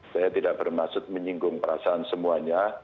saya tidak bermaksud menyinggung perasaan semuanya